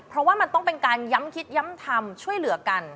เพราะว่ามันต้องเป็นการย้ำคิดย้ำทำช่วยเหลือกัน